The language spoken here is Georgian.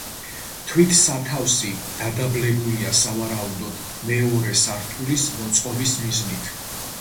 თვით სათავსი დადაბლებულია სავარაუდოდ, მეორე სართულის მოწყობის მიზნით.